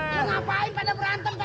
lo ngapain pada berantem sore sore